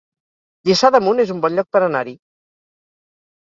Lliçà d'Amunt es un bon lloc per anar-hi